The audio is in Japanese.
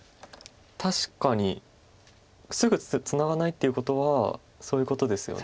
確かにすぐツナがないっていうことはそういうことですよね。